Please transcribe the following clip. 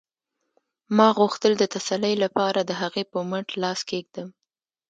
ما غوښتل د تسلۍ لپاره د هغې په مټ لاس کېږدم